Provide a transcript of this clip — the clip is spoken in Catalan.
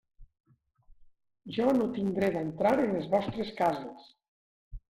Jo no tinc dret a entrar en les vostres cases.